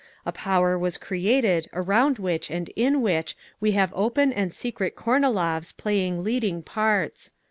A power was created around which and in which we have open and secret Kornilovs playing leading parts.